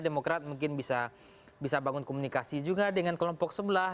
demokrat mungkin bisa bangun komunikasi juga dengan kelompok sebelah